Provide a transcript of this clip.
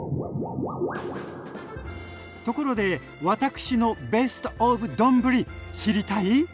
ところで私のベストオブ丼知りたい？